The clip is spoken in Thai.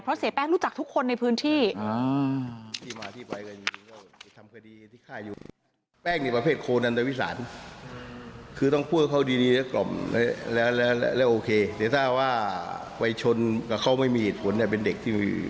เพราะเสียแป้งรู้จักทุกคนในพื้นที่